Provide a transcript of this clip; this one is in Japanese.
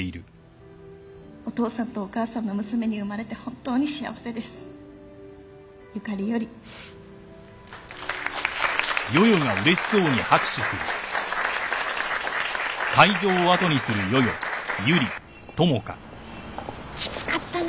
「お父さんとお母さんの娘に生まれて本当に幸せです」「ゆかりより」きつかったね。